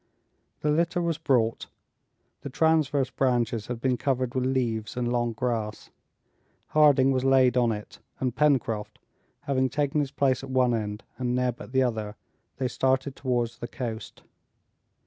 The litter was brought; the transverse branches had been covered with leaves and long grass. Harding was laid on it, and Pencroft, having taken his place at one end and Neb at the other, they started towards the coast.